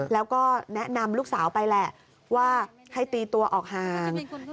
แล้วก็แนะนำลูกสาวไปแหละว่าให้ตีตัวออกห่าง